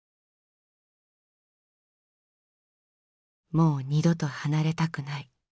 「もう二度とはなれたくない。